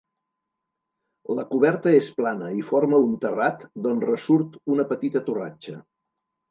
La coberta és plana i forma un terrat, d'on ressurt una petita torratxa.